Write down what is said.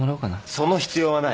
その必要はない。